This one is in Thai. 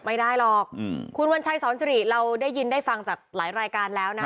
ไม่ได้หรอกอืมคุณวัญชัยสอนสิริเราได้ยินได้ฟังจากหลายรายการแล้วนะคะ